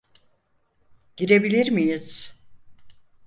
Girebilir miyiz?